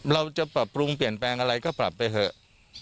เราจะปรับปรุงเปลี่ยนแปลงอะไรก็ปรับไปเถอะ